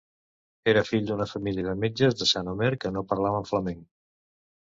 Era fill d'una família de metges de Saint-Omer que no parlaven flamenc.